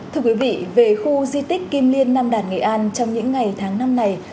thưa quý vị về khu di tích kim liên nam đàn nghệ an trong những ngày tháng năm này